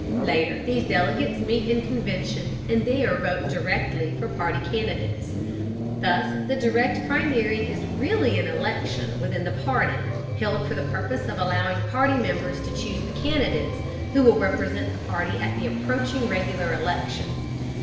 Later these delegates meet in convention and there vote directly for party candidates. Thus the Direct Primary is really an election within the party, held for the purpose of allowing party members to choose the candidates who will represent the party at the approaching regular election.